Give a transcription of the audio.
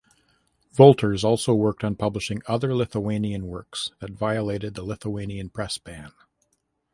Volters also worked on publishing other Lithuanian works that violated the Lithuanian press ban.